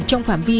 trong phạm vi